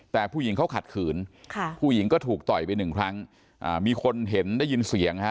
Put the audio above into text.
แต่ผู้หญิงเขาขัดขืนผู้หญิงก็ถูกต่อยไปหนึ่งครั้งมีคนเห็นได้ยินเสียงฮะ